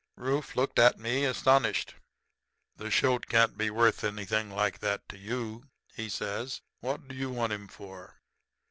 "Rufe looked at me astonished. "'The shoat can't be worth anything like that to you,' he says. 'What do you want him for?'